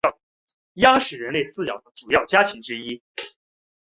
鸭是人类饲养的主要家禽之一。